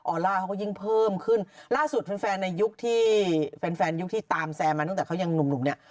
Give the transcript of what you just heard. ล่าเขาก็ยิ่งเพิ่มขึ้นล่าสุดแฟนแฟนในยุคที่แฟนแฟนยุคที่ตามแซมมาตั้งแต่เขายังหนุ่มเนี่ย